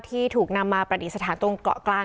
ที่ถูกนำมาประดิษฐานตรงเกาะกลาง